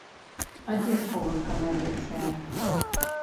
А дзе схованка найлепшая?